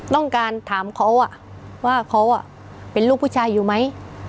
ต้องการถามเขาว่าเขาเป็นลูกผู้ชายอยู่ไหม